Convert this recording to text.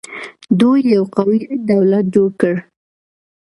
دوی یو قوي دولت جوړ کړ